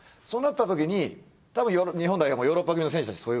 そうなったときにたぶん日本代表もヨーロッパ組の選手たち